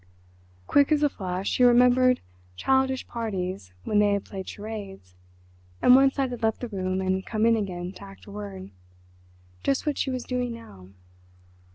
Quick as a flash she remembered childish parties when they had played charades, and one side had left the room and come in again to act a word—just what she was doing now.